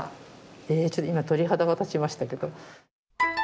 えちょっと今鳥肌が立ちましたけど。